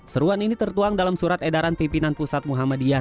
seruan ini tertuang dalam surat edaran pimpinan pusat muhammadiyah